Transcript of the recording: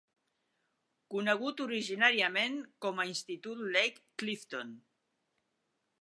Conegut originàriament com a "Institut Lake Clifton".